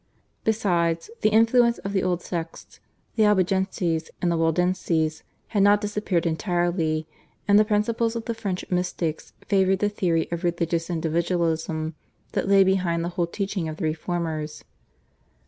Besides, the influence of the old sects, the Albigenses and the Waldenses, had not disappeared entirely, and the principles of the French mystics favoured the theory of religious individualism, that lay behind the whole teaching of the reformers.